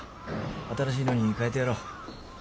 新しいのにかえてやろう。